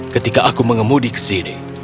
ketika aku mengemudi ke sini